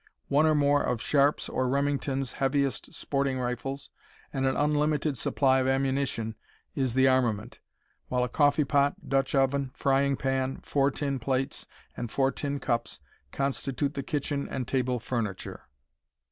One or more of Sharps or Remington's heaviest sporting rifles, and an unlimited supply of ammunition, is the armament; while a coffee pot, Dutch oven, frying pan, four tin plates, and four tin cups constitute the kitchen and table furniture.